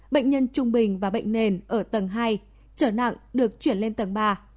bệnh nhân trung bình và bệnh nền ở tầng hai trở nặng được chuyển lên tầng ba